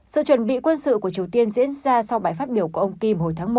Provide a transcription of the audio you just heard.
sự chuẩn bị quân sự của triều tiên diễn ra sau bài phát biểu của ông kim hồi tháng một